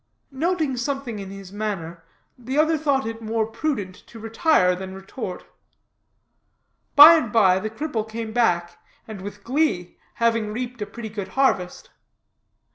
Noting something in his manner, the other thought it more prudent to retire than retort. By and by, the cripple came back, and with glee, having reaped a pretty good harvest.